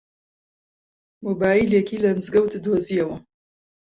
مۆبایلێکی لە مزگەوت دۆزییەوە.